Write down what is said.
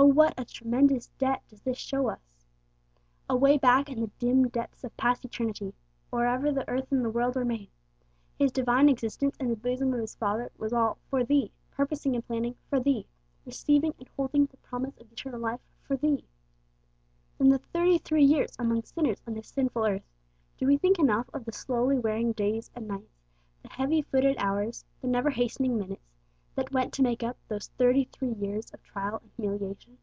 Oh, what a tremendous debt does this show us! Away back in the dim depths of past eternity, 'or ever the earth and the world were made,' His divine existence in the bosom of His Father was all 'for thee,' purposing and planning 'for thee,' receiving and holding the promise of eternal life 'for thee.' Then the thirty three years among sinners on this sinful earth: do we think enough of the slowly wearing days and nights, the heavy footed hours, the never hastening minutes, that went to make up those thirty three years of trial and humiliation?